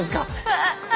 ああ！